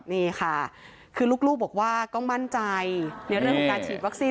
นี่ค่ะคือลูกบอกว่าก็มั่นใจในเรื่องของการฉีดวัคซีน